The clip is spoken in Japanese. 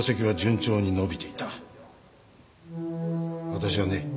私はね